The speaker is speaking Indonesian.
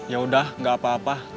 yaudah gak apa apa